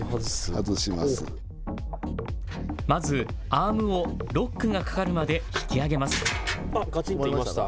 まずアームをロックがかかるまで引き上げます。